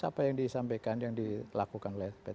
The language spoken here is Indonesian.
apa yang disampaikan yang dilakukan